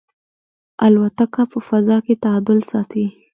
الوتکه په فضا کې تعادل ساتي.